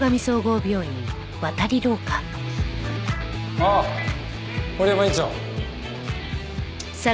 ああ森山院長。